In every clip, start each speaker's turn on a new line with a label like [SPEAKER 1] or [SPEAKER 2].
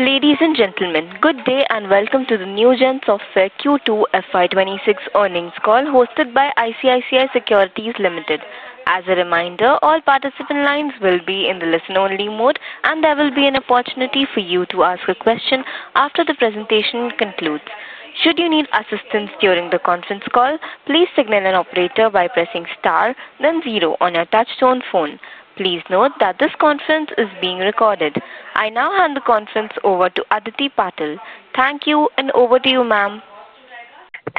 [SPEAKER 1] Ladies and gentlemen, good day and welcome to the Newgen Software Q2 FY 2026 earnings call hosted by ICICI Securities Limited. As a reminder, all participant lines will be in the listen-only mode. There will be an opportunity for you to ask a question after the presentation concludes. Should you need assistance during the conference call, please signal an operator by pressing star then zero on your touchtone phone. Please note that this conference is being recorded. I now hand the conference over to Aditi Patil. Thank you, and over to you ma'am.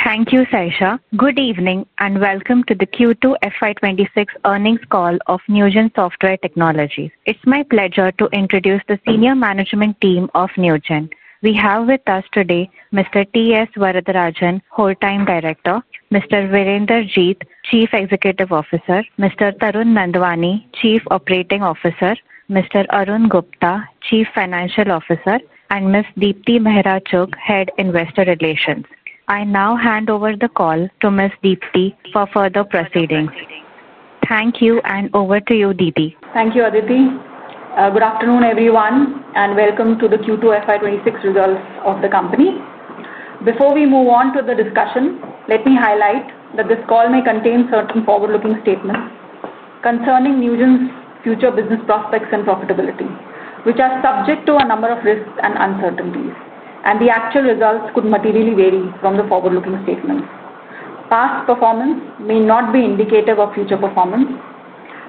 [SPEAKER 2] Thank you, Saisha. Good evening and welcome to the Q2 FY 2026 earnings call of Newgen Software Technologies. It's my pleasure to introduce the senior management team of Newgen. We have with us today Mr. T. S. Varadarajan, Whole Time Director; Mr. Virender Jeet, Chief Executive Officer; Mr. Tarun Nandwani, Chief Operating Officer; Mr. Arun Gupta, Chief Financial Officer; and Ms. Deepti Mehra Chugh, Head Investor Relations. I now hand over the call to Ms. Deepti for further proceedings. Thank you, and over to you, Deepti.
[SPEAKER 3] Thank you, Aditi. Good afternoon everyone and welcome to the Q2 FY 2026 results of the company. Before we move on to the discussion, let me highlight that this call may contain certain forward-looking statements concerning Newgen's future business prospects and profitability, which are subject to a number of risks and uncertainties. The actual results could materially vary from the forward-looking statements. Past performance may not be indicative of future performance.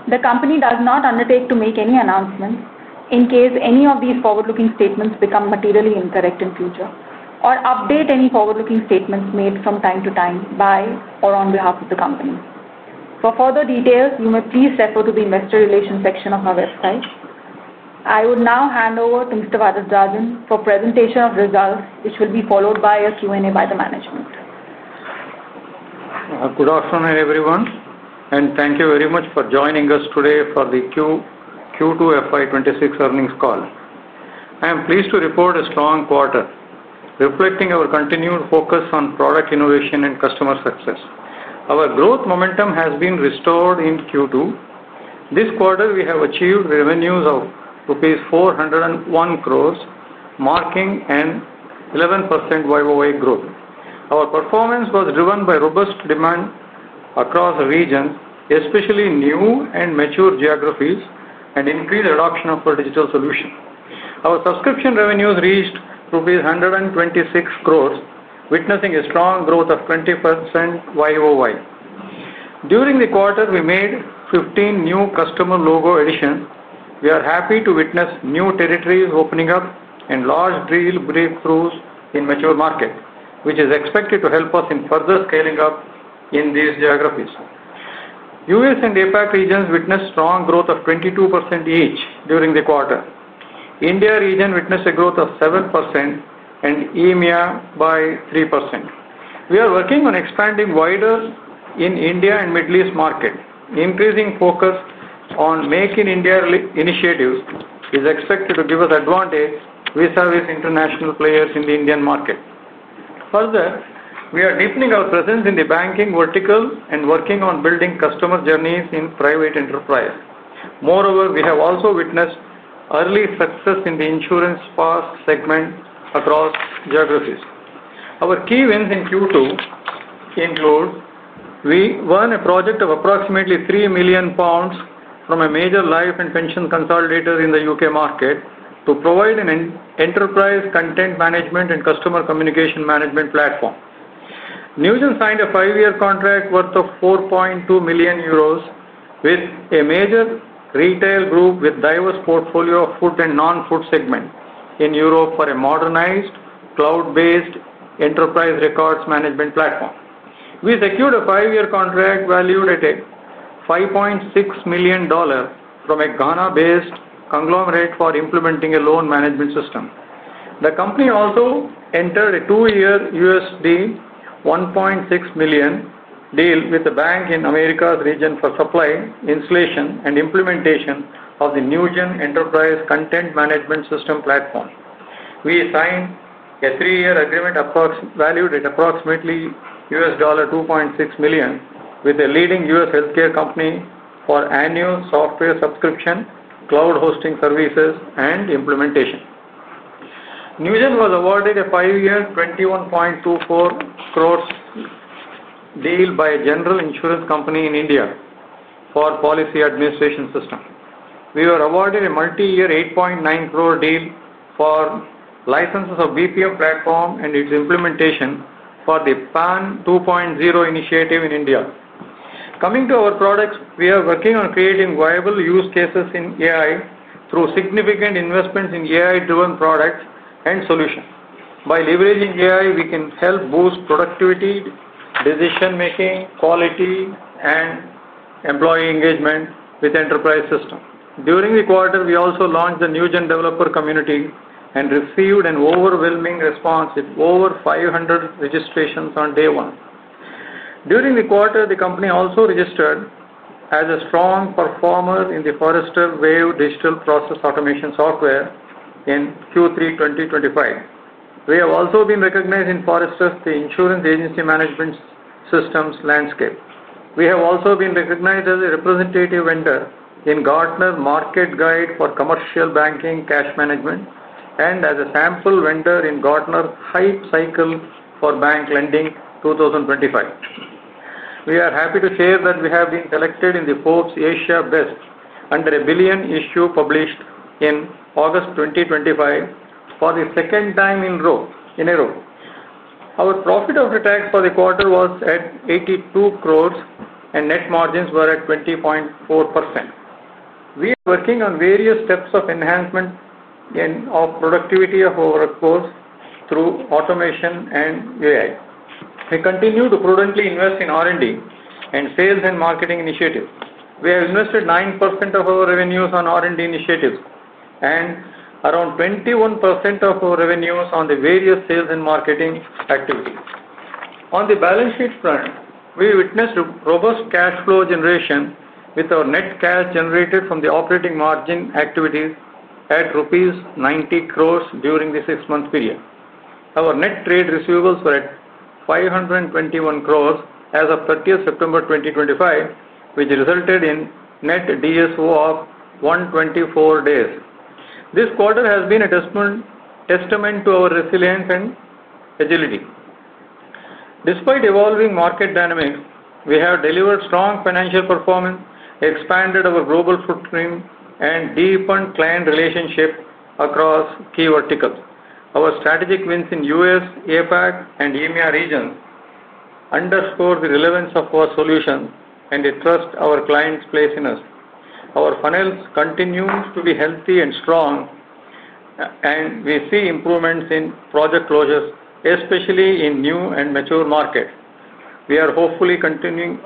[SPEAKER 3] The company does not undertake to make any announcements in case any of these forward-looking statements become materially incorrect in future or update any forward-looking statements made from time to time by or on behalf of the company. For further details, you may please refer to the investor relations section of our website. I would now hand over to Mr. Varadarajan for presentation of results, which will be followed by a Q and A by the management.
[SPEAKER 4] Good afternoon everyone and thank you very much for joining us today for the Q2 FY 2026 earnings call. I am pleased to report a strong quarter reflecting our continued focus on product innovation and customer success. Our growth momentum has been restored in Q2. This quarter we have achieved revenues of rupees 401 crores, marking an 11% YoY growth. Our performance was driven by robust demand across regions, especially new and mature geographies, and increased adoption of a digital solution. Our subscription revenues reached rupees 126 crores, witnessing a strong growth of 20% YoY. During the quarter, we made 15 new customer logo additions. We are happy to witness new territories opening up and large deal breakthroughs in mature markets, which is expected to help us in further scaling up in these geographies. U.S. and APAC regions witnessed strong growth of 22% each during the quarter. India region witnessed a growth of 7% and EMEA by 3%. We are working on expanding wider in India and Middle East market. Increasing focus on Make in India initiatives is expected to give us advantage. We service international players in the Indian market. Further, we are deepening our presence in the banking vertical and working on building customer journeys in private enterprise. Moreover, we have also witnessed early success in the insurance space segment across geographies. Our key wins in Q2 include: we won a project of approximately 3 million pounds from a major life and pension consolidator in the U.K. market to provide an Enterprise Content Management and Customer Communication Management platform. Newgen signed a five-year contract worth 4.2 million euros with a major retail group with a diverse portfolio of food and non-food segment in Europe for a modernized cloud-based enterprise records management platform. We secured a five-year contract valued at $5.6 million from a Ghana-based conglomerate for implementing a loan management system. The company also entered a two-year U.S. deal $1.6 million deal with a bank in the Americas region for supply, installation, and implementation of the Newgen Enterprise Content Management System platform. We signed a three-year agreement valued at approximately $2.6 million with a leading U.S. healthcare company for annual software subscription, cloud hosting services, and implementation. Newgen was awarded a five-year 21.24 crore deal by a general insurance company in India for policy administration system. We were awarded a multi-year 8.9 crore deal for licenses of BPM platform and its implementation for the PAN 2.0 initiative in India. Coming to our products, we are working on creating viable use cases in AI through significant investments in AI-driven products and solutions. By leveraging AI, we can help boost productivity, decision making, quality, and employee engagement with enterprise systems. During the quarter, we also launched the Newgen Developer Community and received an overwhelming response with over 500 registrations on day one during the quarter. The company also registered as a strong performer in The Forrester Wave Digital Process Automation software in Q3 2025. We have also been recognized in Forrester the Insurance Agency Management Systems Landscape. We have also been recognized as a representative vendor in Gartner Market Guide for Commercial Banking Cash Management and as a sample vendor in Gartner Hype Cycle for Bank Lending 2025. We are happy to share that we have been selected in the Forbes Asia Best Under a Billion issue published in August 2025 for the second time in a row. Our profit after tax for the quarter was at 82 crore and net margins were at 20.4%. We are working on various steps of enhancement of productivity of our workforce through automation and UI. We continue to prudently invest in R&D and sales and marketing initiatives. We have invested 9% of our revenues on R&D initiatives and around 21% of our revenues on the various sales and marketing activities. On the balance sheet front, we witnessed robust cash flow generation with our net cash generated from the operating margin activities at rupees 90 crore during the six-month period. Our net trade receivables were at 521 crore as of 30th September 2025, which resulted in net DSO of 124 days. This quarter has been a testament to our resilience and agility. Despite evolving market dynamics, we have delivered strong financial performance, expanded our global footprint, and deepened client relationships across key verticals. Our strategic wins in the U.S., APAC, and EMEA regions underscore the relevance of our solution and interest our clients place in us. Our funnels continue to be healthy and strong, and we see improvements in project closures, especially in new and mature markets. We are hopefully continuing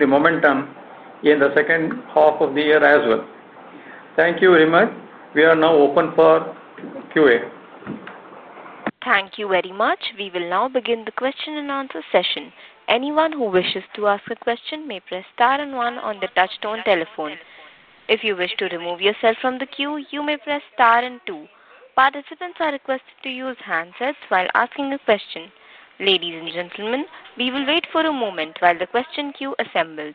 [SPEAKER 4] the momentum in the second half of the year as well. Thank you very much. We are now open for Q&A.
[SPEAKER 1] Thank you very much. We will now begin the question and answer session. Anyone who wishes to ask a question may press STAR and one on the touchtone telephone. If you wish to remove yourself from the queue, you may press STAR and two. Participants are requested to use handsets while asking a question. Ladies and gentlemen, we will wait for a moment while the question queue assembles.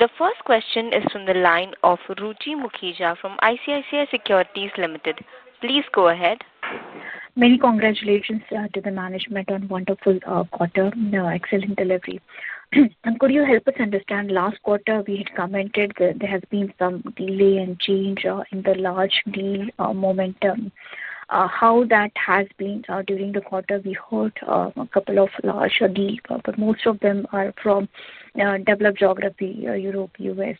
[SPEAKER 1] The first question is from the line of Ruchi Mukhija from ICICI Securities Limited. Please go ahead.
[SPEAKER 5] Many congratulations to the management on a wonderful quarter. Excellent delivery. Could you help us understand, last quarter we had commented that there has been some delay and change in the large deal momentum. How that has been during the quarter? We heard a couple of large deals, but most of them are from developed geography, Europe, U.S.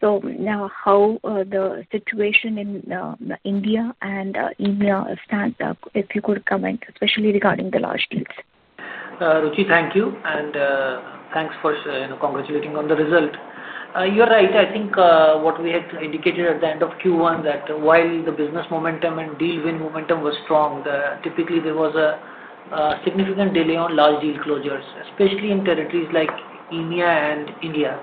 [SPEAKER 5] Now, how is the situation in India and where does India stand? If you could comment especially regarding the large deals.
[SPEAKER 6] Ruchi, thank you and thanks for congratulating on the result. You're right. I think what we had indicated at the end of Q1, that while business momentum and deal win momentum was strong, typically there was a significant delay on large deal closures, especially in territories like EMEA and India.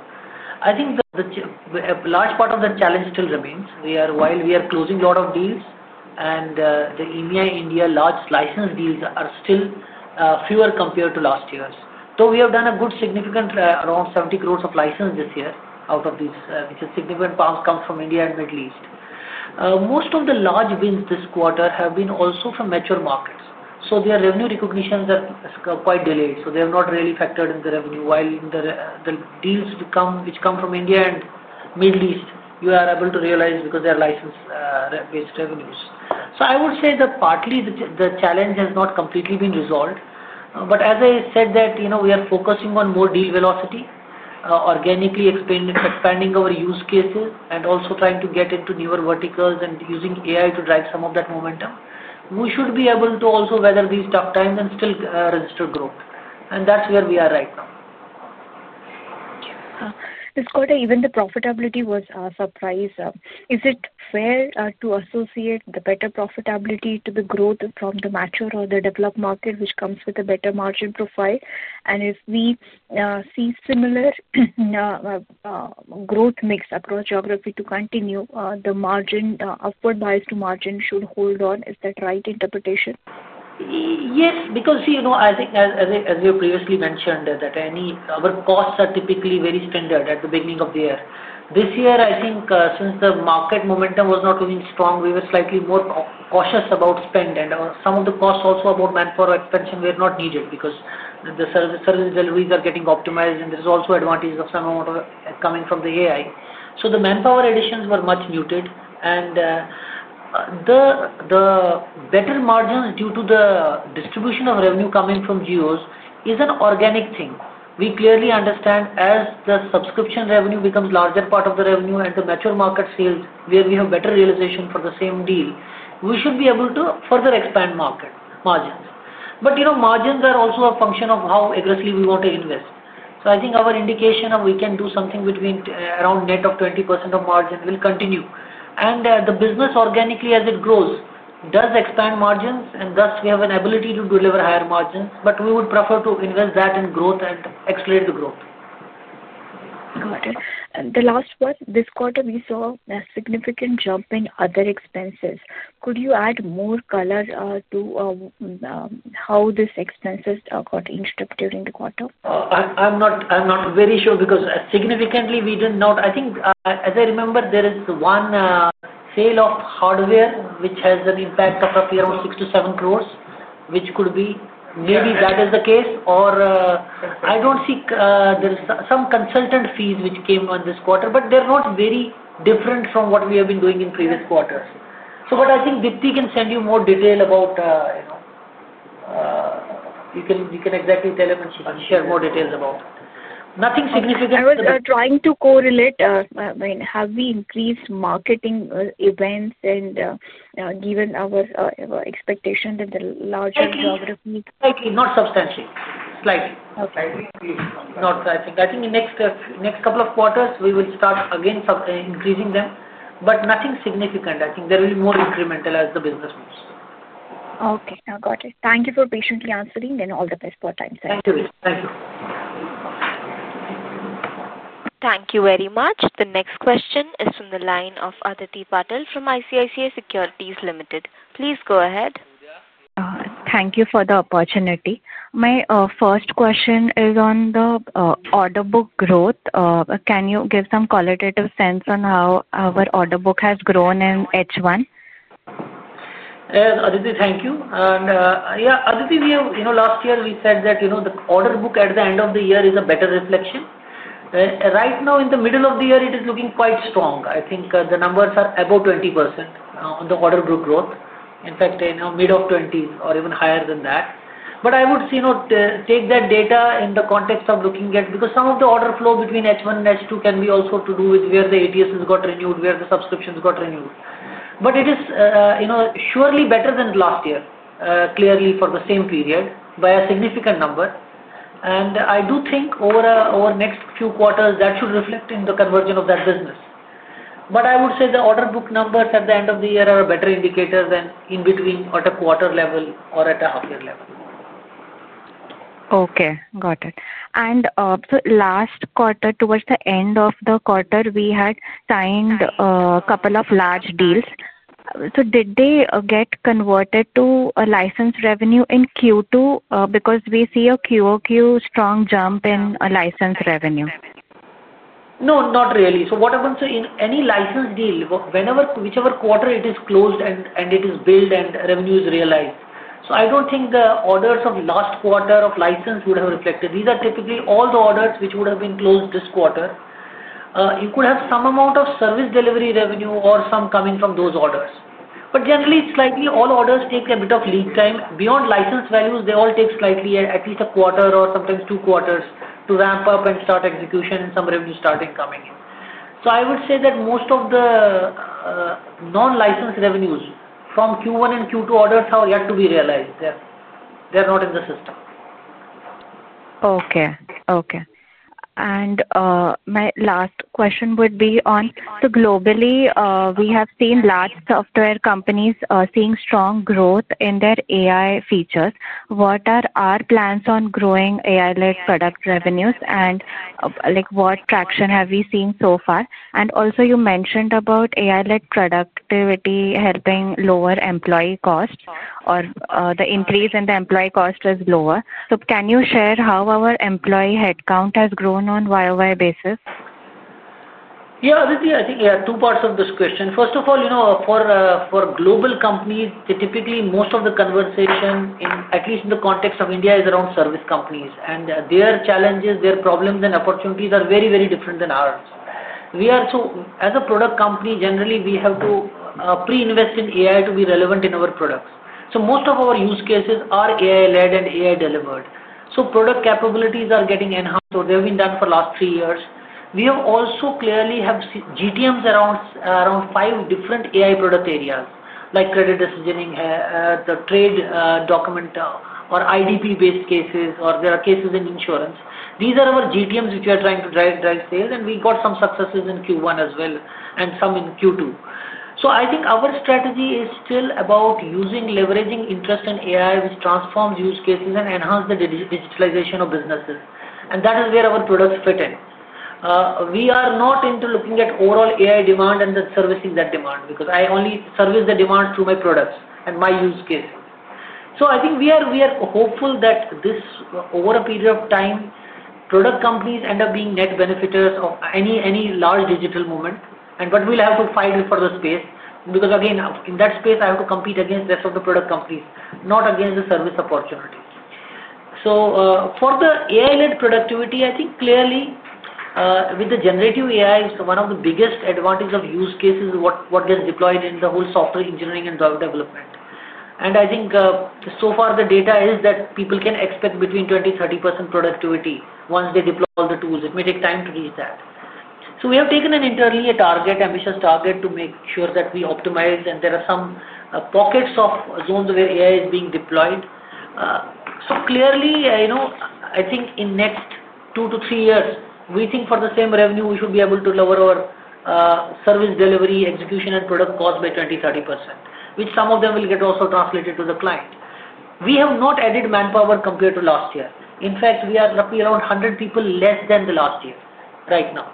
[SPEAKER 6] I think a large part of the challenge still remains. While we are closing a lot of deals, the EMEA and India large license deals are still fewer compared to last year's, though we have done a good significant around 70 crore of license this year. Out of these, significant parts come from India and Middle East. Most of the large wins this quarter have also been from mature markets. Their revenue recognitions are quite delayed, so they have not really factored in the revenue. The deals which come from India and Middle East you are able to realize because they are license-based revenues. I would say that partly the challenge has not completely been resolved. As I said, we are focusing on more deal velocity, organically expanding our use cases, and also trying to get into newer verticals and using AI to drive some of that momentum. We should be able to also weather these tough times and still register growth. That's where we are right now.
[SPEAKER 5] This quarter, even the profitability was a surprise. Is it fair to associate the better profitability to the growth from the mature or the developed market, which comes with a better margin profile? If we see similar growth mix across geography, the upward bias to margin should hold on. Is that right interpretation?
[SPEAKER 6] Yes, because you know, I think as you previously mentioned that any our costs are typically very standard at the beginning of the year. This year I think since the market momentum was not going strong, we were slightly more cautious about spend, and some of the costs also about manpower expansion were not needed because the service deliveries are getting optimized. There is also advantage of some coming from the AI. So the manpower additions were much muted, and the better margins due to the distribution of revenue coming from [JIOS] is an organic thing. We clearly understand as the subscription revenue becomes larger part of the revenue and the mature market sales where we have better realization for the same deal, we should be able to further expand markets margins. Margins are also a function of how aggressively we want to invest. I think our indication of we can do something between around net of 20% of margin will continue, and the business organically as it grows does expand margins. Thus we have an ability to deliver higher margins. We would prefer to invest that in growth and accelerate the growth.
[SPEAKER 5] Got it. The last one, this quarter we saw a significant jump in other expenses. Could you add more color to how this expense got inked up during the quarter?
[SPEAKER 6] I'm not very sure because significantly we did not. I think as I remember there is one sale of hardware which has an impact of a period of 6-7 crore which could be. Maybe that is the case. I don't see. There's some consultant fees which came on this quarter, but they're not very different from what we have been doing in previous quarters. I think Deepti can send you more detail about. You can exactly tell him and share more details about. Nothing significant.
[SPEAKER 5] I was trying to correlate. I mean, have we increased marketing events, and given our expectation that the larger.
[SPEAKER 6] Slightly, not substantially, slightly not. I think in next couple of quarters we will start again increasing them, but nothing significant. I think there will be more incremental as the business moves.
[SPEAKER 5] Okay, got it. Thank you for patiently answering and all the best for your time.
[SPEAKER 1] Thank you very much. The next question is from the line of Aditi Patil from ICICI Securities Limited. Please go ahead.
[SPEAKER 2] Thank you for the opportunity. My first question is on the order book growth. Can you give some qualitative sense on how our order book has grown in H1?
[SPEAKER 6] Thank you. We have, you know, last year we said that, you know, the order book at the end of the year is a better reflection. Right now in the middle of the year it is looking quite strong. I think the numbers are above 20% on the order book growth, in fact mid-20s or even higher than that. I would say not take that data in the context of looking at, because some of the order flow between H1 and H2 can be also to do with where the ATS has got renewed, where the subscriptions got renewed. It is, you know, surely better than last year clearly for the same period by a significant number. I do think over next few quarters that should reflect in the conversion of that business. I would say the order book numbers at the end of the year are better indicators than in between at a quarter level or at a half year level.
[SPEAKER 2] Okay, got it. Last quarter, towards the end of the quarter we had signed a couple of large deals. Did they get converted to a license revenue in Q2? We see a QoQ strong jump in a license revenue.
[SPEAKER 6] No, not really. What happens in any license deal is whenever, whichever quarter it is closed and it is billed and revenue is realized. I don't think the orders of last quarter of license would have reflected. These are typically all the orders which would have been closed this quarter. You could have some amount of service delivery revenue or some coming from those orders. Generally, slightly all orders take a bit of lead time beyond license values. They all take at least a quarter or sometimes 2/4 to ramp up and start execution and some revenue starts coming in. I would say that most of the non-license revenues from Q1 and Q2 orders have yet to be realized. They are not in the system.
[SPEAKER 2] Okay. My last question would be on the globally we have seen large software companies seeing strong growth in their AI features. What are our plans on growing AI-driven product revenues and what traction have we seen so far? You mentioned about AI-driven productivity helping lower employee costs or the increase in the employee cost is lower. Can you share how our employee head has grown on a year-on-year basis?
[SPEAKER 6] Yeah, Aditi, I think two parts of this question. First of all, you know for global companies, typically most of the conversation, at least in the context of India, is around service companies and their challenges. Their problems and opportunities are very, very different than ours. We are, so as a product company, generally we have to pre-invest in AI to be relevant in our products. Most of our use cases are AI-led and AI-delivered, so product capabilities are getting enhanced or they've been done for the last three years. We have also clearly have GTMs around five different AI product areas like credit decisioning, the trade document or IDP-based cases, or there are cases in insurance. These are our GTMs which we are trying to drive sales. We got some successes in Q1 as well and some in Q2. I think our strategy is still about leveraging interest in AI which transforms use cases and enhances the digitalization of businesses. That is where our products fit in. We are not into looking at overall AI demand and then servicing that demand because I only service the demand through my products and my use case. I think we are hopeful that this, over a period of time, product companies end up being net benefiters of any large digital movement. We will have to fight for the space because again in that space I have to compete against the rest of the product companies, not against the service opportunity. For the AI-led productivity, I think clearly with generative AI, one of the biggest advantages of use cases is what gets deployed in the whole software engineering and drug development. I think so far the data is that people can expect between 20%-30% productivity once they deploy all the tools. It may take time to reach that. We have taken internally a target, ambitious target, to make sure that we optimize and there are some pockets of zones where AI is being deployed. Clearly, I think in the next two to three years we think for the same revenue we should be able to lower our service delivery, execution, and product cost by 20%-30%, which some of them will get also translated to the client. We have not added manpower compared to last year. In fact, we are roughly around 100 people less than last year right now.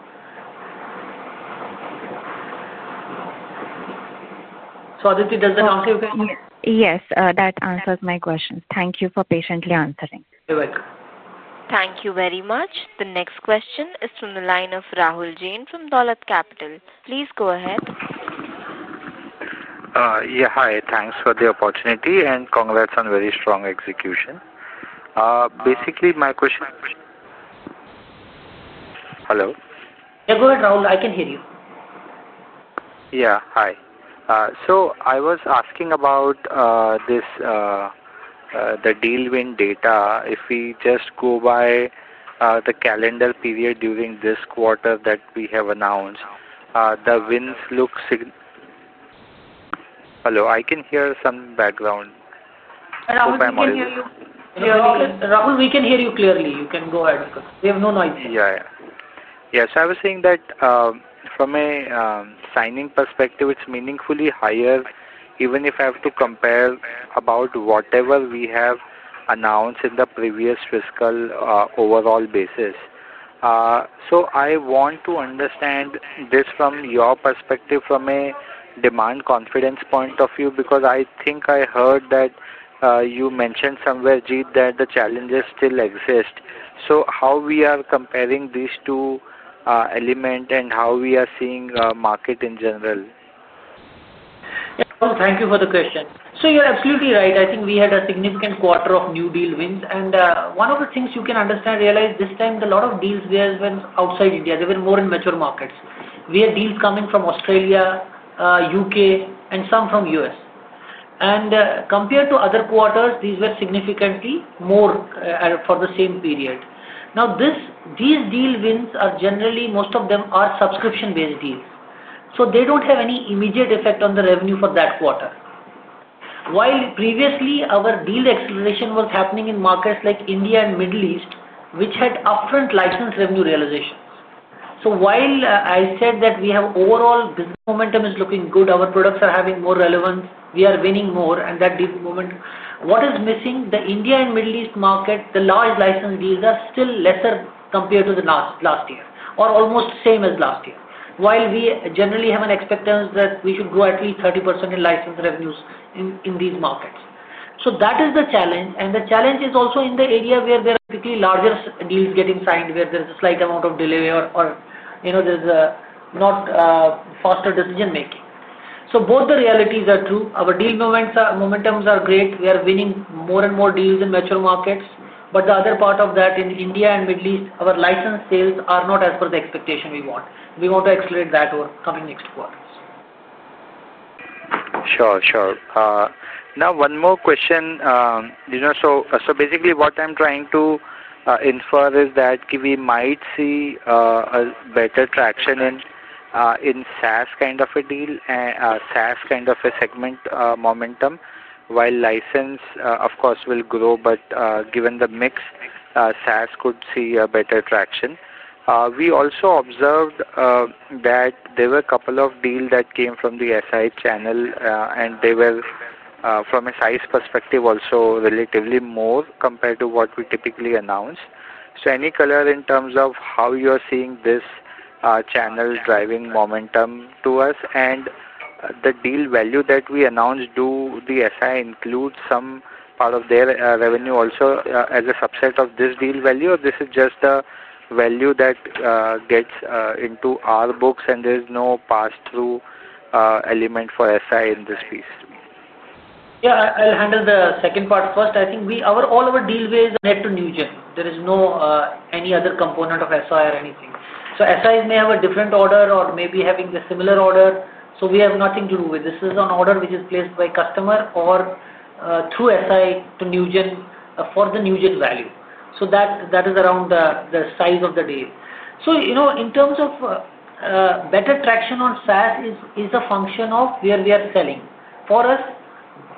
[SPEAKER 6] So Aditi, does that answer?
[SPEAKER 2] Yes, that answers my question. Thank you for patiently answering.
[SPEAKER 1] Thank you very much. The next question is from the line of Rahul Jain from Dolat Capital. Please go ahead.
[SPEAKER 7] Yeah, hi. Thanks for the opportunity and congrats on very strong execution. Basically, my question. Hello,
[SPEAKER 6] go ahead Rahul, I can hear you.
[SPEAKER 7] Yeah, hi. I was asking about the deal win data. If we just go by the calendar period during this quarter that we have announced the wins. Look. Hello. I can hear some background.
[SPEAKER 6] We can hear you clearly. You can go ahead. We have no noise.
[SPEAKER 7] Yes, I was saying that from a signing perspective it's meaningfully higher even if I have to compare about whatever we have announced in the previous fiscal overall basis. I want to understand this from your perspective from a demand confidence point of view because I think I heard that you mentioned somewhere, Jeet, that the challenges still exist. How are we comparing these two elements and how are we seeing market in general?
[SPEAKER 6] Thank you for the question. You're absolutely right. I think we had a significant quarter of new deal wins. One of the things you can realize is that this time a lot of deals were outside India; they were more in mature markets. We had deals coming from Australia, U.K., and some from the U.S., and compared to other quarters these were significantly more for the same period. Now these deal wins are generally, most of them, subscription-based deals, so they don't have any immediate effect on the revenue for that quarter. Previously, our deal acceleration was happening in markets like India and the Middle East, which had upfront license revenue realizations. While I said that our overall business momentum is looking good, our products are having more relevance, we are winning more. In that deep moment, what is missing is the India and Middle East market; the large license deals are still lesser compared to last year or almost the same as last year. We generally have an expectation that we should grow at least 30% in license revenues in these markets. That is the challenge. The challenge is also in the area where there are typically larger deals getting signed, where there is a slight amount of delay or, you know, there is not faster decision making. Both the realities are true. Our deal momentums are great. We are winning more and more deals in mature markets. The other part is that in India and the Middle East, our license sales are not as per the expectation we want. We want to accelerate that over something next.
[SPEAKER 7] Sure, sure. Now one more question. Basically, what I'm trying to infer is that we might see a better traction in SaaS kind of a deal, SaaS kind of a segment momentum, while license of course will grow. Given the mix, SaaS could see a better traction. We also observed that there were a couple of deals that came from the system integrator channel and they were from a size perspective also relatively more compared to what we typically announce. Any color in terms of how you are seeing this channel driving momentum to us and the deal value that we announced? Do the system integrators include some part of their revenue also as a subset of this deal value? This is just value that gets into our books and there is no pass-through element for system integrators in this piece.
[SPEAKER 6] Yeah, I'll handle the second part first. I think all of our deal ways head to Newgen. There is no other component of system integrator or anything. System integrator may have a different order or maybe having the similar order. We have nothing to do with this. This is an order which is placed by customer or through system integrator to Newgen for the Newgen value. That is around the size of the deal. In terms of better traction on SaaS, it is a function of where we are selling. For us,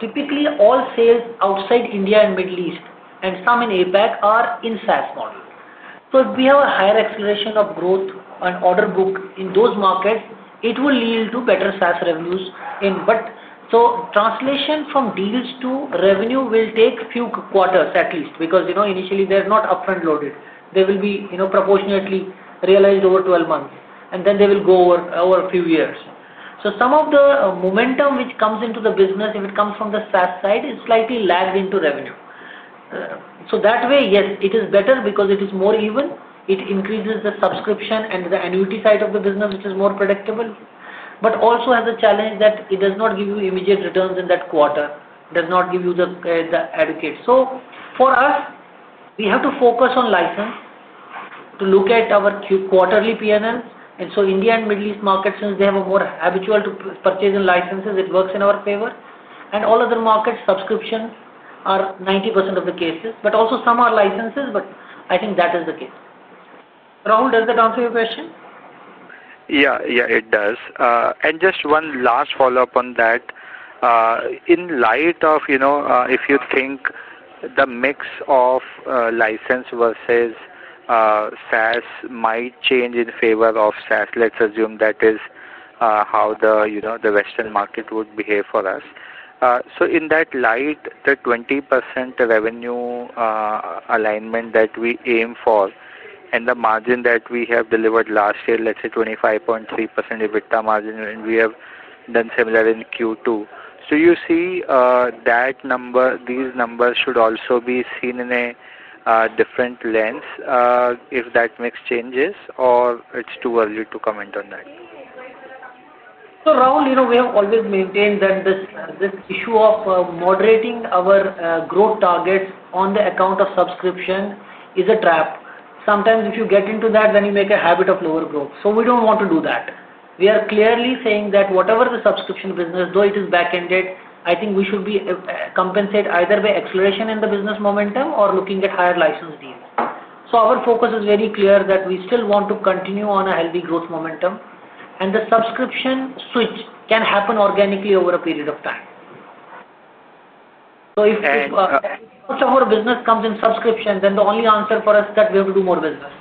[SPEAKER 6] typically all sales outside India and Middle East and some in APAC are in SaaS model. If we have a higher acceleration of growth and order book in those markets, it will lead to better SaaS revenues. Translation from deals to revenue will take a few quarters at least because initially they are not upfront loaded. They will be proportionately realized over 12 months and then they will go over a few years. Some of the momentum which comes into the business, if it comes from the SaaS side, is slightly lagged into revenue. That way, yes, it is better because it is more even. It increases the subscription and the annuity side of the business, which is more predictable but also has a challenge that it does not give you immediate returns in that quarter, does not give you the advocate. For us, we have to focus on license to look at our quarterly P&L. India and Middle East market, since they have a more habitual purchasing licenses, it works in our favor and all other markets. Subscriptions are 90% of the cases, but also some are licenses. I think that is the case. Rahul, does that answer your question?
[SPEAKER 7] Yeah, it does. Just one last follow up on that in light of, you know, if you think the mix of license versus SaaS might change in favor of SaaS, let's assume that is how the, you know, the western market would behave for us. In that light, the 20% revenue alignment that we aim for and the margin that we have delivered last year, let's say 25.3% EBITDA margin and we have done similar in Q2. You see that number. These numbers should also be seen in a different lens if that mix changes or it's too early to comment on that.
[SPEAKER 6] Rahul, we have always maintained that this issue of moderating our growth targets on the account of subscription is a trap. Sometimes if you get into that, you make a habit of lower growth. We don't want to do that. We are clearly saying that whatever the subscription business, though it is back ended, I think we should be compensated either by acceleration in the business momentum or looking at higher license deals. Our focus is very clear that we still want to continue on a healthy growth momentum, and the subscription switch can happen organically over a period of time. If our business comes in subscription, then the only answer for us is that we have to do more business.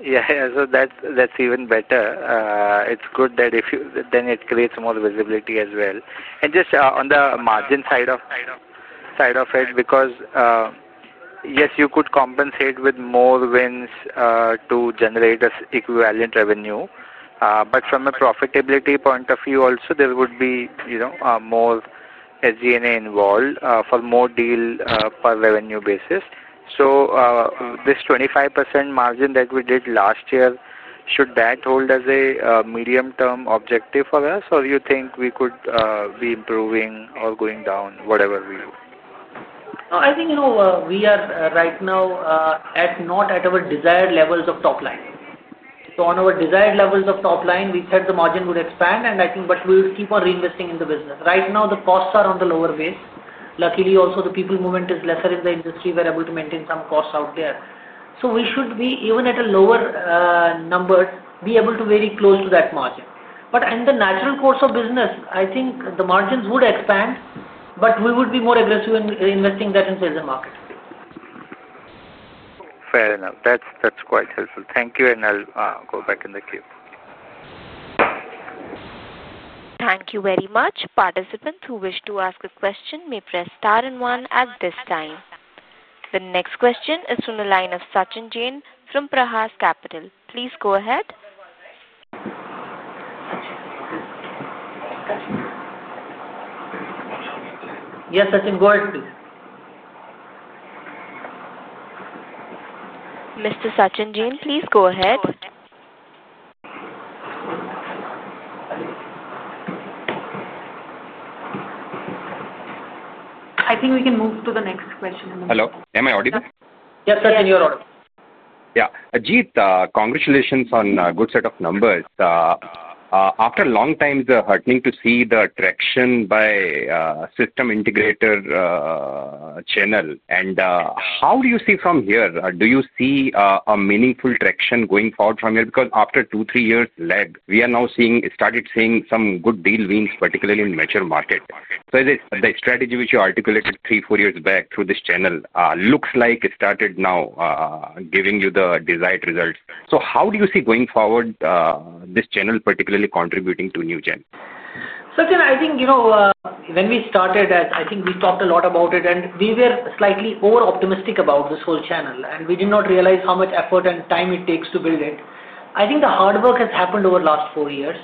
[SPEAKER 7] Yeah, that's even better. It's good that if you then it creates more visibility as well, and just on the margin side of it because yes, you could compensate with more wins to generate equivalent revenue. From a profitability point of view also, there would be more SG&A involved for more deal per revenue basis. This 25% margin that we did last year, should that hold as a medium term objective for us, or you think we could be improving or going down? Whatever we do,
[SPEAKER 6] I think we are right now not at our desired levels of top line. On our desired levels of top line, we said the margin would expand, and I think we will keep on reinvesting in the business. Right now, the costs are on the lower base. Luckily, also the people movement is lesser in the industry. We are able to maintain some costs out there, so we should be, even at a lower number, able to be very close to that margin. In the natural course of business, I think the margins would expand. We would be more aggressive in investing that in sales and market.
[SPEAKER 7] Fair enough, that's quite helpful. Thank you and I'll go back in the queue.
[SPEAKER 1] Thank you very much. Participants who wish to ask a question may press star and one at this time. The next question is from the line of Sachin Jain from Prahas Capital. Please go ahead.
[SPEAKER 6] Yes, I think go ahead, please.
[SPEAKER 1] Mr. Sachin Jain, please go ahead.
[SPEAKER 3] I think we can move to the next question.
[SPEAKER 8] Hello. Am I audible?
[SPEAKER 3] Yes.
[SPEAKER 8] Yeah. Jeet, congratulations on a good set of numbers after a long time. Heartening to see the traction by system integrator channel. How do you see from here, do you see a meaningful traction going forward from here? After two, three years lag we are now seeing started seeing some good deal wins, particularly in mature market. The strategy which you articulated three, four years back through this channel looks started now giving you the desired results. How do you see going forward this channel particularly contributing to Newgen,
[SPEAKER 6] Sachin. I think, you know when we started I think we talked a lot about it and we were slightly over optimistic about this whole channel and we did not realize how much effort and time it takes to build it. I think the hard work has happened over last four years,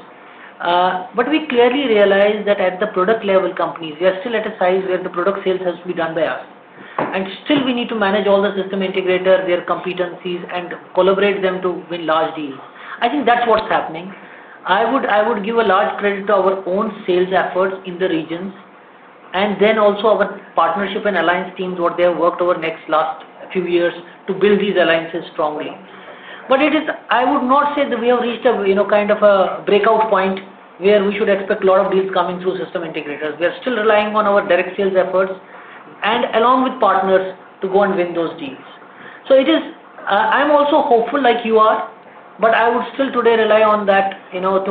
[SPEAKER 6] but we clearly realized that at the product level company we are still at a size where the product sales has to be done by us and still we need to manage all the system integrators, their competencies and collaborate them to win large deals. I think that's what's happening. I would give a large credit to our own sales efforts in the regions and then also our partnership and alliance teams, what they have worked over next last few years to build these alliances strongly. It is, I would not say that we have reached kind of a breakout point where we should expect lot of deals coming through system integrators. We are still relying on our direct sales efforts and along with partners to go and win those deals. It is, I am also hopeful like you are. I would still today rely on that. You know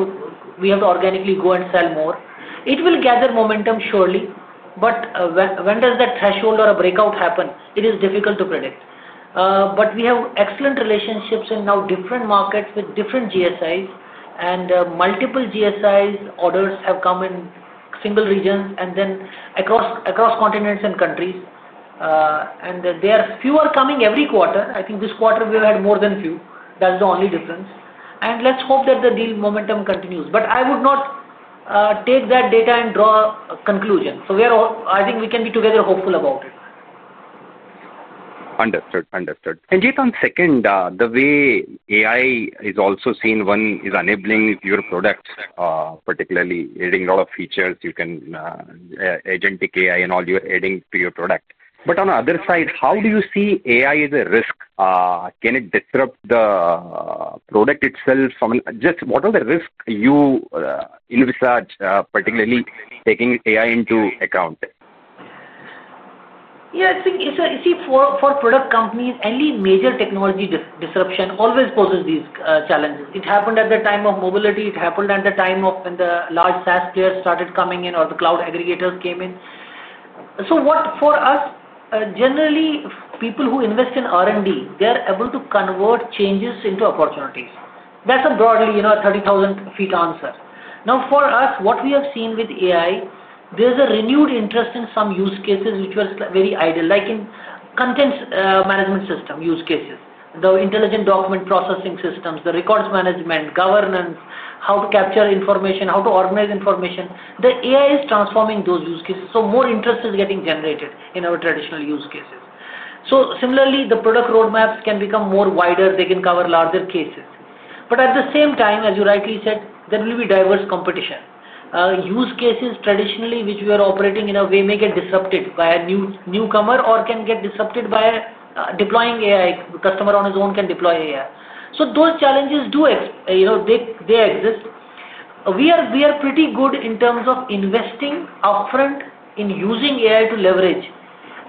[SPEAKER 6] we have to organically go and sell more. It will gather momentum surely. When does that threshold or a breakout happen? It is difficult to predict, but we have extended excellent relationships in now different markets with different GSI and multiple GSI orders have come in single regions and then across continents and countries and there are fewer coming every quarter. I think this quarter we have had more than few. That's the only difference. Let's hope that the deal momentum continues. I would not take that data and draw a conclusion. We are all, I think we can be together hopeful about.
[SPEAKER 8] Understood. On the second, the way AI is also seen, one is enabling your products, particularly adding a lot of features. You can agent AI and all you're adding to your product. On the other side, how do. You see AI as a risk. Can it disrupt the product itself? What are the risks you envisage, particularly taking AI into account?
[SPEAKER 6] Yeah, I think you see for product companies, any major technology disruption always poses these challenges. It happened at the time of mobility, it happened at the time when the large SaaS players started coming in or the cloud aggregators came in. For us generally, people who invest in R&D, they're able to convert changes into opportunities. That's a broadly 30,000 ft answer. Now for us, what we have seen with AI, there's a renewed interest in some use cases which was very ideal, like in content management system use cases, the intelligent document processing systems, the records management, governance, how to capture information, how to organize information. The AI is transforming those use cases. More interest is getting generated in our traditional use cases. Similarly, the product roadmaps can become wider, they can cover larger cases. At the same time, as you rightly said, there will be diverse competition. Use cases traditionally which we are operating in may get disrupted by a newcomer or can get disrupted by deploying AI. Customer on his own can deploy AI. Those challenges, do they exist? We are pretty good in terms of investing upfront in using AI to leverage.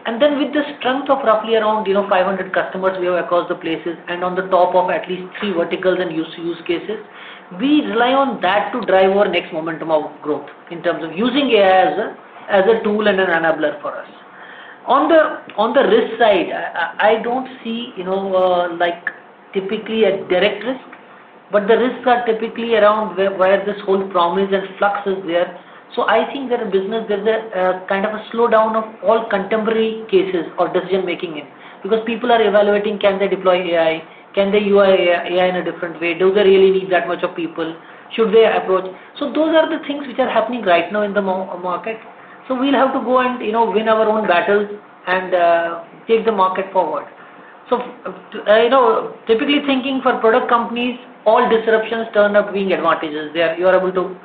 [SPEAKER 6] With the strength of roughly around 500 customers we have across the places and on the top of at least three verticals and use cases, we rely on that to drive our next momentum of growth. In terms of using AI as a tool and an enabler for us on the risk side, I don't see typically a direct risk, but the risks are typically around where this whole promise and flux is there. I think that in business there is kind of a slowdown of all contemporary cases or decision making because people are evaluating can they deploy AI, can they use AI in a different way? Do they really need that much of people, should they approach? Those are the things which are happening right now in the market. We have to go and win our own battles and take the market forward. Typically thinking for product companies, all disruptions turn up being advantages where you are able to.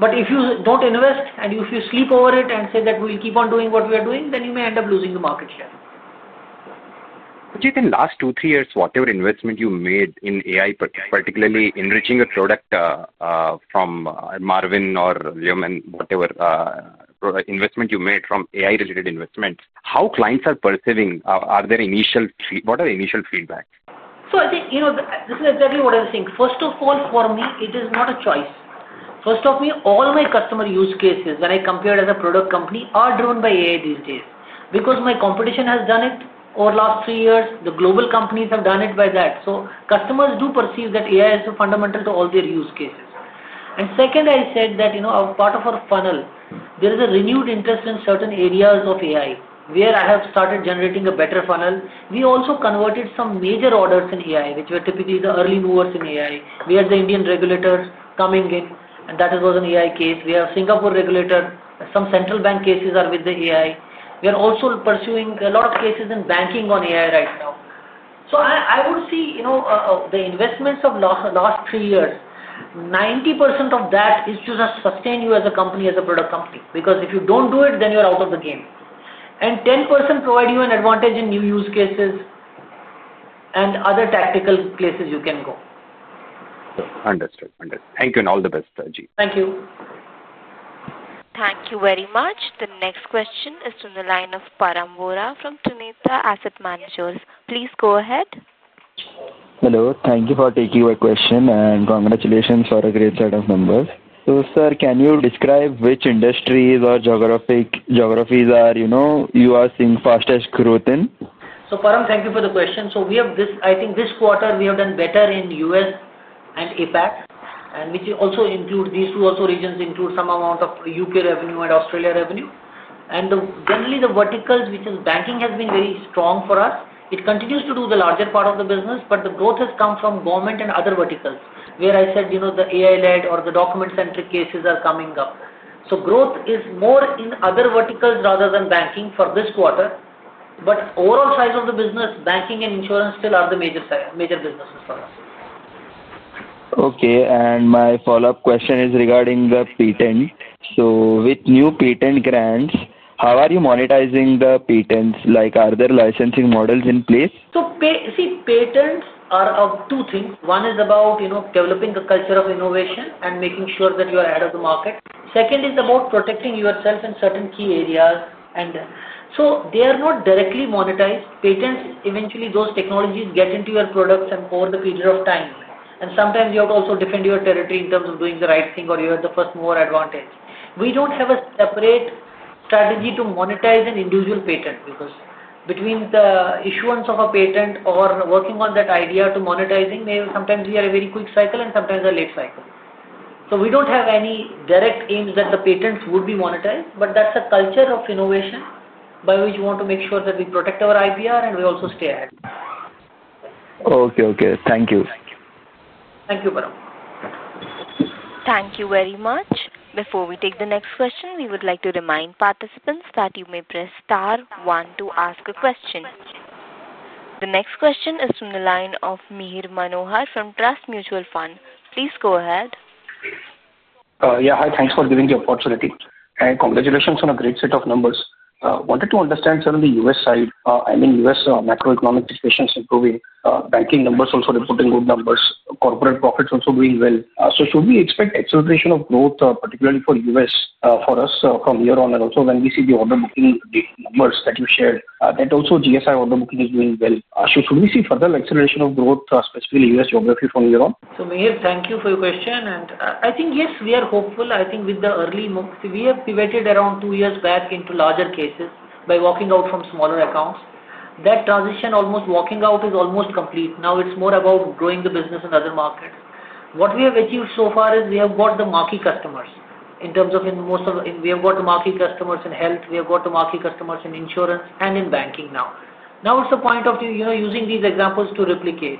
[SPEAKER 6] If you don't invest and if you sleep over it and say that we'll keep on doing what we are doing, then you may end up losing the market share.
[SPEAKER 8] In last two, three years, whatever investment you made in AI, particularly enriching a product from Marvin or LumYn, and whatever investment you made from AI related investment, how clients are perceiving, are there initial, what are the initial feedback?
[SPEAKER 6] I think this is exactly what I was saying. First of all, for me it is not a choice. For me, all my customer use cases, when I compare as a product company, are driven by AI these days because my competition has done it over the last three years. The global companies have done it by that. Customers do perceive that AI is fundamental to all their use cases. I said that part of our funnel, there is a renewed interest in certain areas of AI where I have started generating a better funnel. We also converted some major orders in AI, which were typically the early movers in AI. We had the Indian regulators coming, getting, and that was an AI case. We have Singapore regulator. Some central bank cases are with the AI. We are also pursuing a lot of cases in banking on AI right now. I would see the investments of the last three years, 90% of that is to sustain you as a company, as a product company, because if you don't do it, then you are out of the game. 10% provide you an advantage in new use cases and other tactical places you can go.
[SPEAKER 8] Understood. Thank you and all the best.
[SPEAKER 6] Thank you.
[SPEAKER 1] Thank you very much. The next question is from the line of Param Vora from Trinetra Asset Managers. Please go ahead.
[SPEAKER 9] Hello. Thank you for taking a question. Congratulations for a great set of numbers. Can you describe which industries or geographies you are seeing fastest growth in?
[SPEAKER 6] Thank you for the question. This quarter we have done better in the U.S. and APAC, which also includes some amount of U.K. revenue and Australia revenue. Generally, the verticals, which is banking, have been very strong for us. It continues to do the larger part of the business. The growth has come from government and other verticals where, you know, the AI-driven or the document-centric cases are coming up. Growth is more in other verticals rather than banking for this quarter. Overall, the size of the business, banking and insurance still are the major, major businesses.
[SPEAKER 9] Okay, my follow up question is regarding the patent. With new patent grants, how are you monetizing the patents? Like are there licensing models in place?
[SPEAKER 6] Patents are of two things. One is about, you know, developing a culture of innovation and making sure that you are ahead of the market. Second is about protecting yourself in certain key areas. They are not directly monetized patents. Eventually those technologies get into your products over the period of time. Sometimes you have to also defend your territory in terms of doing the right thing or you are the first mover advantage. We don't have a separate strategy to monetize an individual patent because between the issuance of a patent or working on that idea to monetizing, sometimes we are a very quick cycle and sometimes a late cycle. We don't have any direct aims that the patents would be monetized. That's a culture of innovation by which you want to make sure that we protect our IPR and we also stay ahead.
[SPEAKER 9] Okay. Okay. Thank you.
[SPEAKER 6] Thank you.
[SPEAKER 1] Thank you very much. Before we take the next question, we would like to remind participants that you may press Star one to ask a question. The next question is from the line of Mihir Manohar from Trust Mutual Fund. Please go ahead.
[SPEAKER 10] Yeah. Hi. Thanks for giving the opportunity and congratulations on a great set of numbers. Wanted to understand, sir, on the U.S. side, I mean U.S. macroeconomic situations improving, banking numbers also reporting good numbers, corporate profits also doing well. Should we expect acceleration of growth particularly for us, for us from here on? Also, when we see the order booking numbers that you shared, that also GSI order booking is doing well. Should we see further acceleration of growth, especially U.S. geography from here on?
[SPEAKER 6] Thank you for your question. Yes, we are hopeful. With the early moves we have pivoted around two years back into larger cases by walking out from smaller accounts, that transition is almost complete. Now it's more about growing the business in other markets. What we have achieved so far is we have got the marquee customers in health, we have got the marquee customers in insurance and in banking. Now it's the point of using these examples to replicate.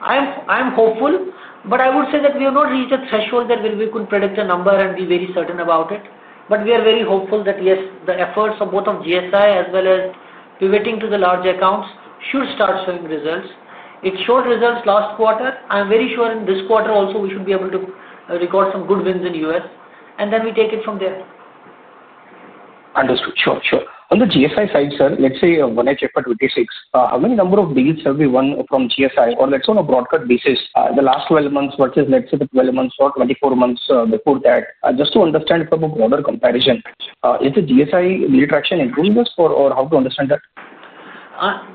[SPEAKER 6] I am hopeful, but I would say that we have not reached a threshold that we could predict a number and be very certain about it. We are very hopeful that the efforts of both of GSI as well as pivoting to the large accounts should start showing results. It showed results last quarter. I am very sure in this quarter also we should be able to record some good wins in the U.S. and then we take it from there.
[SPEAKER 10] Understood? Sure, sure. On the GSI side, Sir, let's say one HF 2026. How many number of deals have we won from GSI or let's, on a broadcast basis, the last 12 months versus, let's say, the 12 months or 24 months before that? Just to understand from a broader comparison, is the GSI retraction improvements for or how to understand that.
[SPEAKER 6] I'm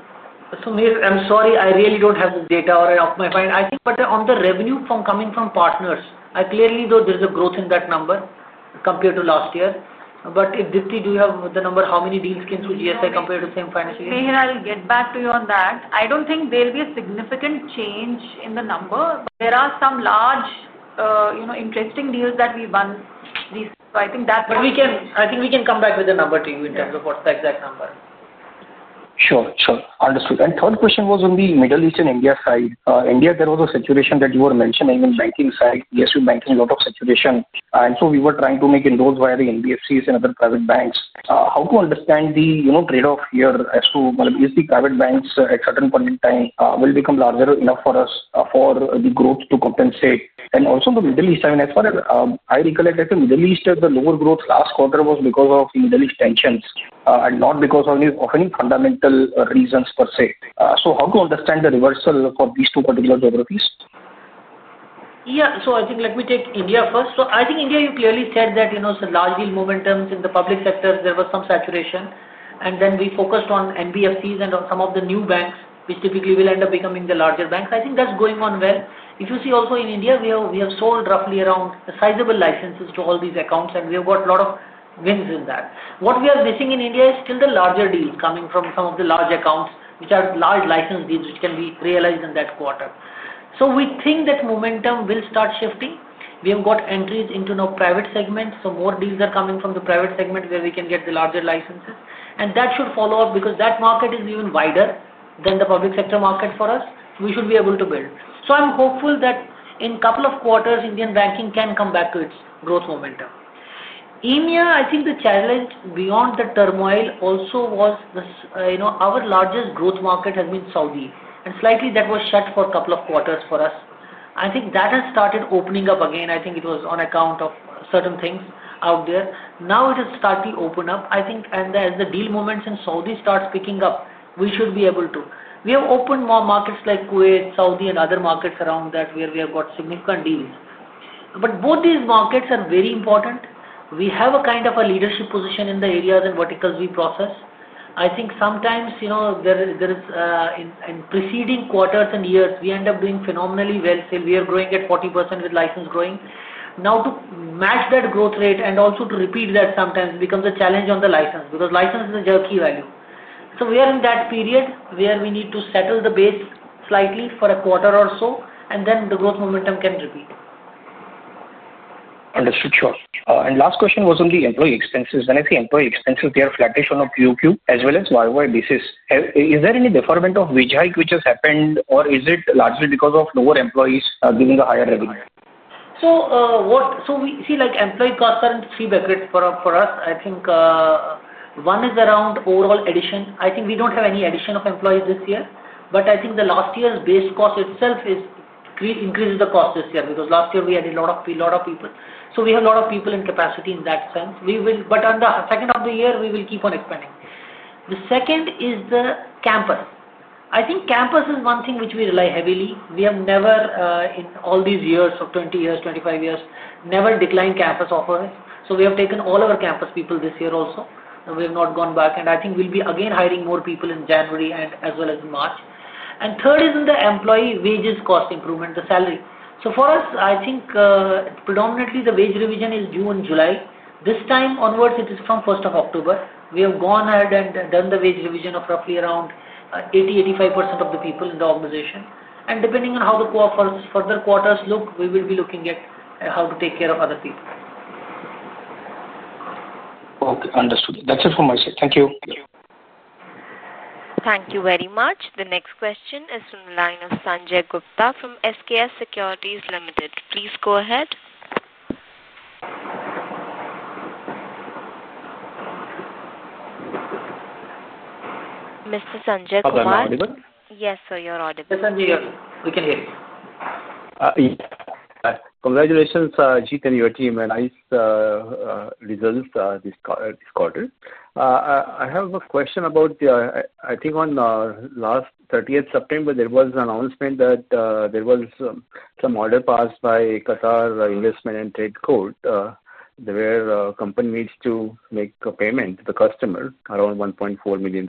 [SPEAKER 6] sorry, I really don't have the data off my mind. I think on the revenue coming from partners, I clearly, though, there's a growth in that number compared to last year. Deepti, do you have the number, how many deals can GSI compare to the same financial year?
[SPEAKER 3] I'll get back to you on that. I don't think there'll be a significant change in the number. There are some large, interesting deals that we won.
[SPEAKER 6] I think we can come back with a number to you in terms of what's the exact number.
[SPEAKER 10] Sure, understood. Third question was on the Middle East and India side. India, there was a situation that you were mentioning in banking side. Yes, we banking a lot of situation and we were trying to make endorse via the NBFCs and other private banks. How to understand the trade-off here as to is the private banks at certain point in time will become larger enough for us for the growth to compensate. Also, the Middle East, I mean as far as I recollect, the Middle East, the lower growth last quarter was because of tensions and not because of any fundamental reasons per se. How to understand the reversal for these two particular geographies?
[SPEAKER 6] Yeah, so I think. Let me take India first. I think India, you clearly said that, you know, large deal momentums in the public sector, there was some saturation and then we focused on NBFCs and on some of the new banks which typically will end up becoming the larger banks. I think that's going on. If you see also in India, we have sold roughly around a sizable, like, licenses to all these accounts and we have got lot of wins in that. What we are missing in India is still the larger deals coming from some of the large accounts which are large license deals which can be realized in that quarter. We think that momentum will start shifting. We have got entries into now private segments. More deals are coming from the private segment where we can get the larger licenses and that should follow up because that market is even wider than the public sector market for us, we should be able to build. I'm hopeful that in couple of quarters Indian banking can come back to its growth momentum. EMEA, I think the challenge beyond the turmoil also was, you know, our largest growth market has been Saudi and slightly that was shut for couple of quarters for us. I think that has started opening up again. I think it was on account of certain things out there. Now it has started to open up, I think, and as the deal movements in Saudi starts picking up, we should be able to. We have opened more markets like Kuwait, Saudi and other markets around that where we have got significant deals. Both these markets are very important. We have a kind of a leadership position in the areas and verticals we process. Sometimes, you know, there is in preceding quarters and years we end up doing phenomenally well. We are growing at 40% with license growing. Now to match that growth rate and also to repeat that sometimes becomes a challenge on the license because license is a jerky value. We are in that period where we need to settle the base slightly for a quarter or so and then the growth momentum can repeat.
[SPEAKER 10] Understood. Sure. Last question was on the employee expenses. When I say employee expenses, they are flattish on a QoQ as well as YoY basis. Is there any deferment of wage hike which has happened, or is it largely because of lower employees giving a higher revenue?
[SPEAKER 6] We see employee costs are in three buckets for us. One is around overall addition. We don't have any addition of employees this year, but last year's base cost itself increases the cost this year because last year we had a lot of people. We have a lot of people in capacity in that sense. In the second half of the year, we will keep on expanding. The second is the campus. Campus is one thing which we rely heavily on. We have never in all these years of 20 years, 25 years, declined campus offers. We have taken all our campus people. This year also we have not gone back. We will be again hiring more people in January as well as March. Third is in the employee wages cost improvement, the salary. For us, predominantly the wage revision is due in July. This time onwards, it is from 1st of October. We have gone ahead and done the wage revision of roughly around 80%-85% of the people in the organization. Depending on how the further quarters look, we will be looking at how to take care of other people.
[SPEAKER 10] Okay, understood. That's it for myself. Thank you.
[SPEAKER 1] Thank you very much. The next question is from the line of Sanjay Gupta from SKS Securities Limited. Please go ahead. Mr. Sanjay.
[SPEAKER 11] Audible.
[SPEAKER 1] Yes, sir. You're audible.
[SPEAKER 6] We can hear you.
[SPEAKER 11] Congratulations Jeet and your team. Nice results this quarter. I have a question about the, I think on the 30th of September there was an announcement that there was some order passed by Qatar Investment and Trade Court where the company needs to make a payment to the customer around $1.4 million,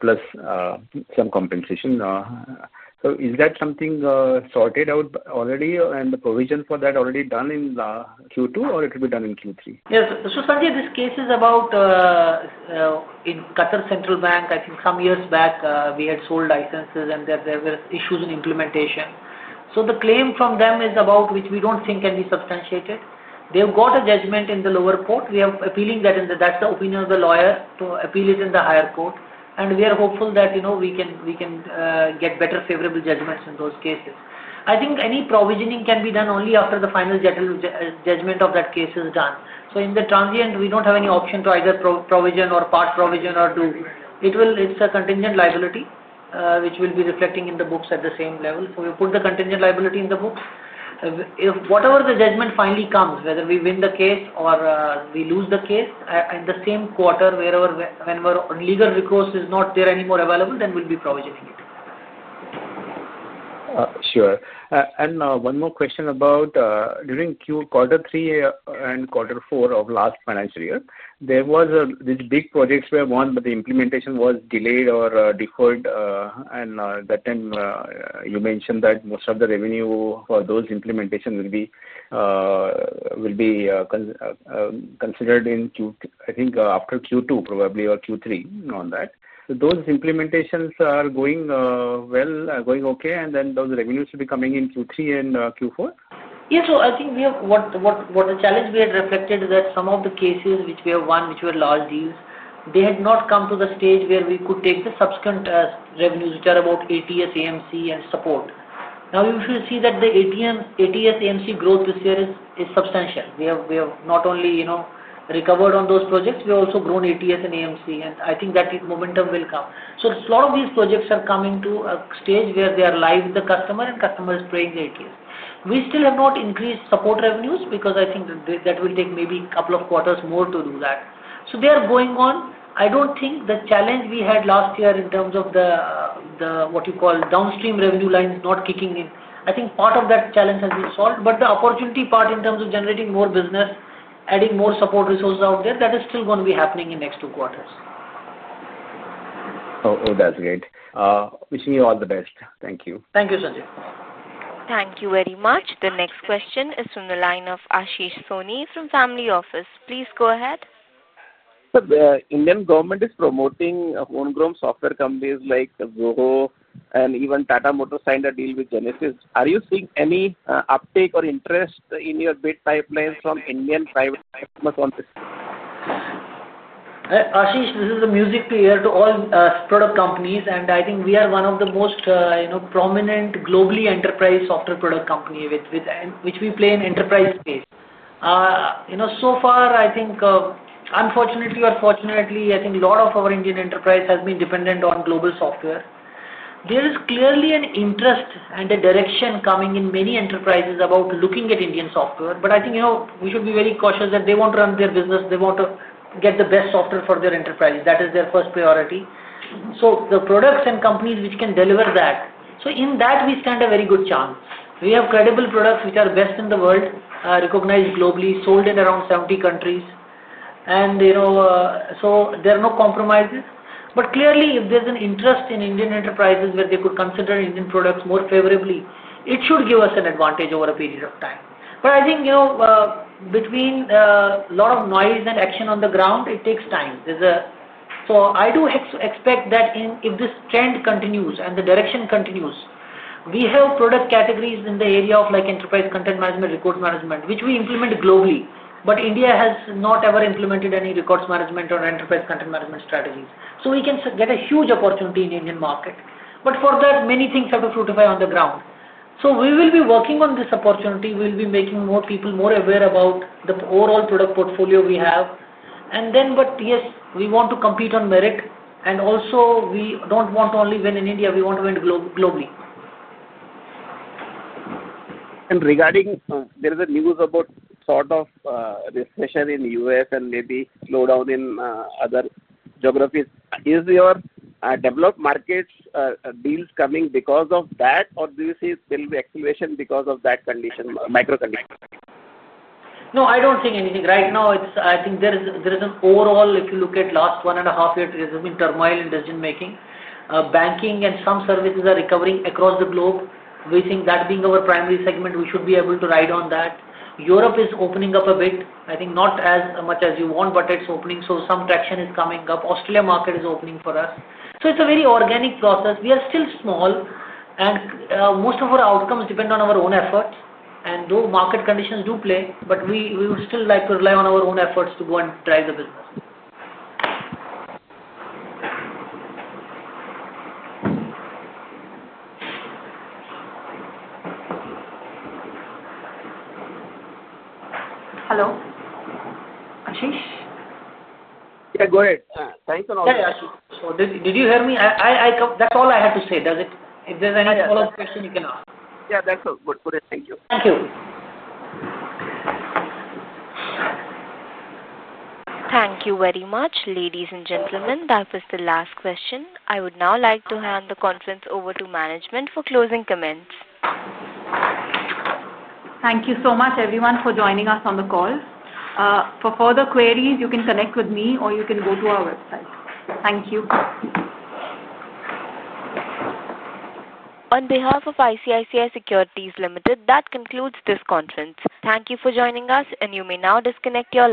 [SPEAKER 11] plus some compensation. Is that something sorted out already and the provision for that already done in Q2 or it will be done in Q3?
[SPEAKER 6] Yes. This case is about in Qatar Central Bank. I think some years back we had sold licenses and there were issues in implementation. The claim from them is about which we don't think can be substantiated. They have got a judgment in the lower court. We are appealing that. That's the opinion of the lawyer to appeal it in the higher court. We are hopeful that we can get better favorable judgments in those cases. I think any provisioning can be done only after the final judgment of that case is done. In the transient we don't have any option to either provision or part provision or do it. It's a contingent liability which will be reflecting in the books at the same level. We put the contingent liability in the books. If whatever the judgment finally comes, whether we win the case or we lose the case in the same quarter, wherever legal recourse is not there anymore available, then we'll be provisioning it.
[SPEAKER 11] Sure. One more question about during Q3 and Q4 of last financial year, there was this big projects were won, but the implementation was delayed or deferred. At that time, you mentioned that most of the revenue for those implementation will be considered in Q, I think after Q2 probably or Q3. On that, those implementations are going well, going okay, and then those revenues will be coming in Q3 and Q4.
[SPEAKER 6] Yes. I think the challenge we had reflected that some of the cases which we have won, which were large deals, had not come to the stage where we could take the subsequent revenues which are about ATS, AMC, and Support. Now you should see that the ATS AMC growth this year is substantial. We have not only recovered on those projects, we have also grown ATS and AMC, and I think that momentum will come. A lot of these projects are coming to a stage where they are live with the customer and customer is paying ATS. We still have not increased support revenues because I think that will take maybe a couple of quarters more to do that. They are going on. I don't think the challenge we had last year in terms of what you call downstream revenue lines not kicking in, I think part of that challenge has been solved. The opportunity part in terms of generating more business, adding more support resources out there, that is still going to be happening in the next two quarters.
[SPEAKER 12] Oh, that's great. Wishing you all the best. Thank you.
[SPEAKER 6] Thank you, Sanjay.
[SPEAKER 1] Thank you very much. The next question is from the line of Ashish Soni from Family Office. Please go ahead.
[SPEAKER 13] The Indian government is promoting own grown software companies like Zoho, and even Tata Motors signed a deal with Genesys. Are you seeing any uptake or interest in your bid pipelines from Indian private?
[SPEAKER 6] Ashish, this is a music player to all product companies and I think we are one of the most, you know, prominent globally enterprise software product company which we play in enterprise space. You know, so far I think unfortunately or fortunately, I think a lot of our Indian enterprise has been dependent on global software. There is clearly an interest and a direction coming in many enterprises about looking at Indian software. I think we should be very cautious that they want to run their business. They want to get the best software for their enterprise. That is their first priority. The products and companies which can deliver that. In that we stand a very good chance. We have credible products which are best in the world, recognized globally, sold in around 70 countries and, you know, there are no compromises. If there's an interest in Indian enterprises where they could consider Indian products more favorably, it should give us an advantage over a period of time. I think, you know, between a lot of noise and action on the ground, it takes time. I do expect that if this trend continues and the direction continues, we have product categories in the area of like enterprise content management, record management which we implement globally. India has not ever implemented any records management or enterprise content management strategies. We can get a huge opportunity in Indian market. For that many things have to fruitify on the ground. We will be working on this opportunity. We'll be making more people more aware about the overall product portfolio we have. Yes, we want to compete on merit and also we don't want only win in India, we want to win globally.
[SPEAKER 13] Regarding there is a news about sort of recession in the U.S. and maybe slow down in other geographies. Is your developed market deals coming because of that, or do you see there will be acceleration because of that condition, micro condition?
[SPEAKER 6] No, I don't think anything right now. I think there is, there is an overall, if you look at last one and a half years, there's been turmoil in decision making. Banking and some services are recovering across the globe. We think that being our primary segment, we should be able to ride on that. Europe is opening up a bit. I think not as much as you want, but it's opening, so some traction is coming up. Australia market is opening for us, so it's a very organic process. We are still small, and most of our outcomes depend on our own efforts, and though market conditions do play, we would still like to rely on our own efforts to go and drive the business. Hello Ashish, yeah, go ahead, thanks. Did you hear me? That's all I have to say. If there's any follow up question, you can ask.
[SPEAKER 13] Yeah, that's all good.
[SPEAKER 6] Thank you.
[SPEAKER 1] Thank you very much, ladies and gentlemen. That was the last question. I would now like to hand the conference over to management for closing comments.
[SPEAKER 3] Thank. you so much everyone for joining us on the call. For further queries, you may reach out. can connect with me or you can go to our website. Thank you.
[SPEAKER 1] On behalf of ICICI Securities Limited, that concludes this conference. Thank you for joining us, and you may now disconnect your line.